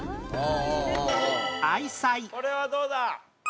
これはどうだ？